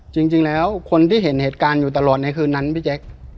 จริงแล้วคนที่เห็นเหตุการณ์อยู่ตลอดในคืนนั้นพี่แจ๊ค